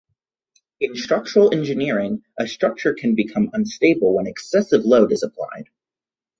In structural engineering, a structure can become unstable when excessive load is applied.